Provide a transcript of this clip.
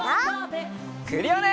クリオネ！